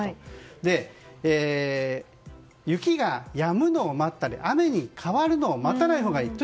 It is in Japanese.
で、雪がやむのをまったり雨に変わるのを待たないほうがいい。